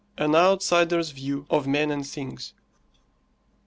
AN OUTSIDER'S VIEW OF MEN AND THINGS.